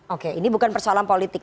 oke ini bukan persoalan politik